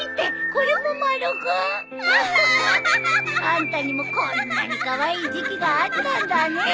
あんたにもこんなにカワイイ時期があったんだねえ。